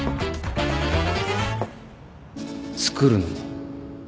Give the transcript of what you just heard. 作るのも